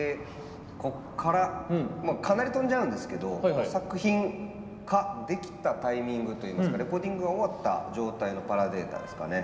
こっからかなり飛んじゃうんですけど作品化できたタイミングといいますかレコーディングが終わった状態のパラデータですかね。